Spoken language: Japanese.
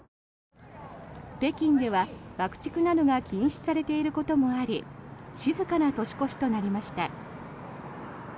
北京では爆竹などが禁止されていることもあり静かな年越しとなりました。